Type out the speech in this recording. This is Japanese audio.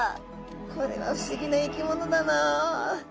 これは不思議な生き物だなあ。